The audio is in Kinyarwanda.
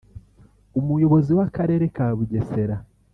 Umuyobozi w’Akarere ka Bugesera